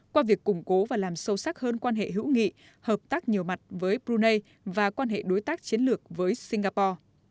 qua việc củng cố và làm sâu sắc hơn quan hệ hữu nghị hợp tác nhiều mặt với brunei và quan hệ đối tác chiến lược với singapore